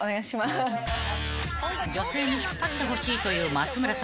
［女性に引っ張ってほしいという松村さん］